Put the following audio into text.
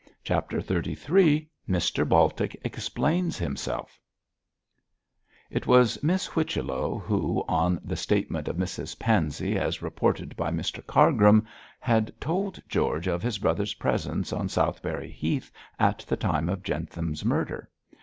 CHAPTER XXXIII MR BALTIC EXPLAINS HIMSELF It was Miss Whichello, who, on the statement of Mrs Pansey as reported by Mr Cargrim, had told George of his brother's presence on Southberry Heath at the time of Jentham's murder.